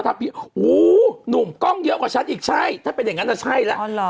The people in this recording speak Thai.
ฮู้หนุ่มกล้องเยอะกว่าฉันอีกใช่ถ้าเป็นแบบนั้นก็ใช่แล้ว